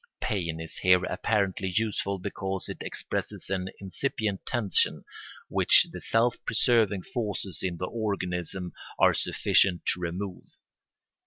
Pain is here apparently useful because it expresses an incipient tension which the self preserving forces in the organism are sufficient to remove.